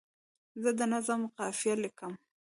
زه د نظم قافیه لیکم.